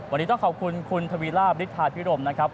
วันนี้ต้องขอบคุณคุณทวีลาบฤทธาพิรมนะครับ